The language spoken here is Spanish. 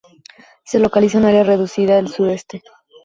Se localiza en un área reducida del sureste.